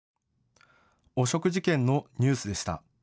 汚職事件のニュースでした。